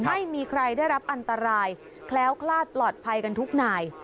ไม่มีใครได้รับอันตรายแคล้วคลาดปลอดภัยกันทุกนาย